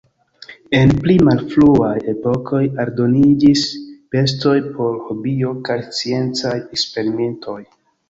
En pli malfruaj epokoj aldoniĝis bestoj por hobio kaj sciencaj eksperimentoj.